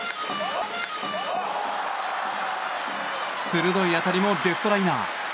鋭い当たりもレフトライナー。